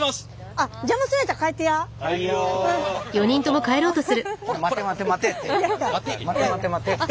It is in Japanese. あっ「待て待て待て」。